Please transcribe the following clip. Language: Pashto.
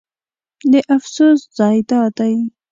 د افسوس ځای دا دی.